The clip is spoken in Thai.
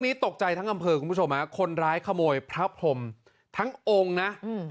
ตกใจทั้งอำเภอคุณผู้ชมฮะคนร้ายขโมยพระพรมทั้งองค์นะอืม